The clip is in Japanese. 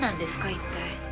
一体。